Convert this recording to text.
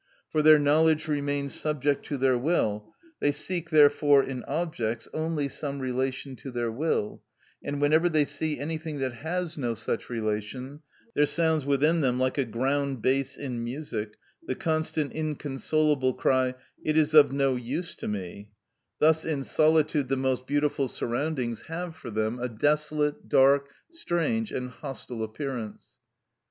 For their knowledge remains subject to their will; they seek, therefore, in objects, only some relation to their will, and whenever they see anything that has no such relation, there sounds within them, like a ground bass in music, the constant inconsolable cry, "It is of no use to me;" thus in solitude the most beautiful surroundings have for them a desolate, dark, strange, and hostile appearance.